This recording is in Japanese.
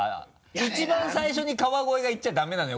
一番最初に川越が言っちゃダメなのよ。